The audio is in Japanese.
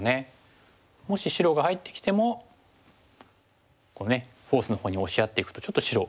もし白が入ってきてもこうフォースのほうに押しやっていくとちょっと白。